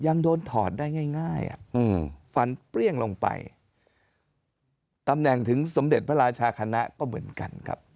ยังโดนถอดได้ง่ายฟันเปรี้ยงลงไปตำแหน่งถึงสมเด็จพระราชาคณะก็เหมือนกันครับ